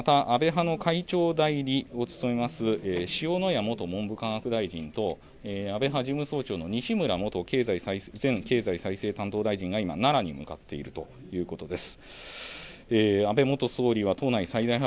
また安倍派の会長代理を務めます塩谷元文部科学大臣と安倍派事務総長の西村前経済再生担当大臣が今奈良に向かっているということです。